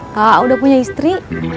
pak udah punya istri